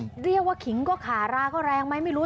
เรียกว่าขิงก็ขาราก็แรงไหมไม่รู้